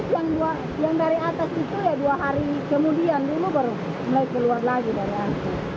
terus yang dari atas itu dua hari kemudian baru melayu keluar lagi dari atas